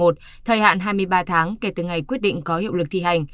thời hạn hai mươi ba tháng kể từ ngày quyết định có hiệu lực thi hành